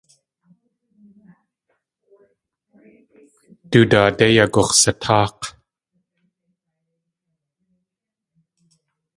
Du daadé yagux̲satáak̲.